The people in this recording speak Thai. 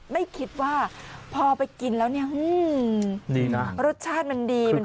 ไม่คิดว่าพอไปกินแล้วรสชาติมันดีมันฟิน